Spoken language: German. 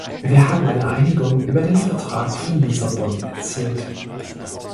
Wir haben eine Einigung über den Vertrag von Lissabon erzielt.